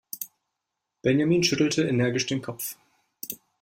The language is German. Benjamin schüttelte energisch den Kopf.